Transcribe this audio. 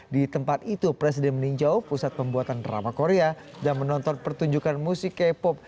di tempat itu presiden meninjau pusat pembuatan drama korea dan menonton pertunjukan musik k pop